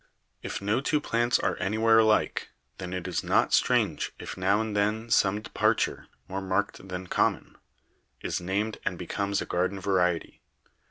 "If no two plants are anywhere alike, then it is not strange if now and then some departure, more marked than common, is named and becomes a garden variety.